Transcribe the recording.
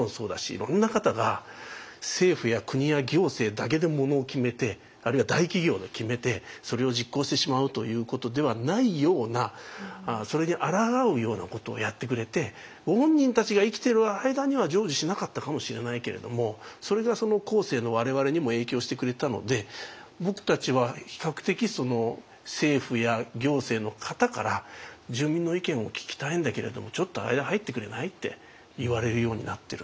いろんな方が政府や国や行政だけでものを決めてあるいは大企業で決めてそれを実行してしまうということではないようなそれにあらがうようなことをやってくれてご本人たちが生きている間には成就しなかったかもしれないけれどもそれが後世の我々にも影響してくれたので僕たちは比較的政府や行政の方から「住民の意見を聞きたいんだけれどもちょっと間入ってくれない？」って言われるようになってる。